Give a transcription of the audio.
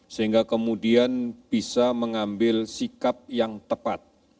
sehingga kemudian bisa mengambil sikap yang tepat